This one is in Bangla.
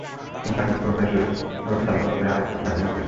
তিনি সাকিব ওরফে শরীফ ওরফে সালেহ ওরফে আরিফ ওরফে হাদি নামে পরিচিত।